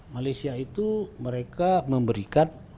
malaysia itu mereka memberikan